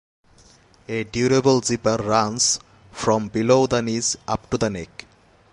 A durable zipper runs from below the knees up to the neck.